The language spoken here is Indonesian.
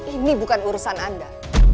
ini bukan urusan anda